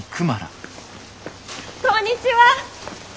こんにちは。